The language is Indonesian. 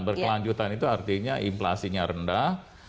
berkelanjutan itu artinya inflasinya rendah